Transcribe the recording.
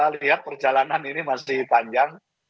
lihat perjalanan ini masih panjang